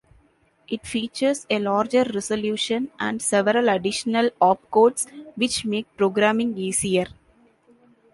It features a larger resolution and several additional opcodes which make programming easier.